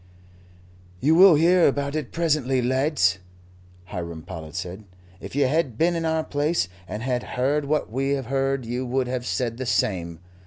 "You will hear about it presently, lads," Hiram Powlett said. "If you had been in our place, and had heard what we have heard, you would have said the same.